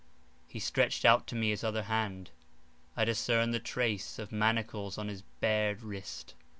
He stretched out to me his other hand; I discerned the trace of manacles on his bared wrist.